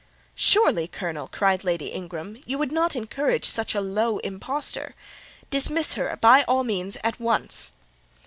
"Surely, colonel," cried Lady Ingram, "you would not encourage such a low impostor? Dismiss her, by all means, at once!"